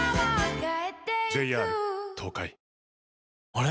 あれ？